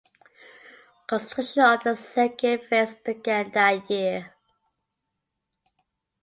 Construction of the second phase began that year.